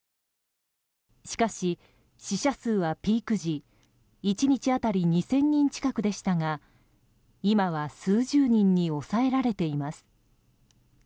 しかし、死者数はピーク時１日当たり２０００人近くでしたが今は数十人に抑えられています。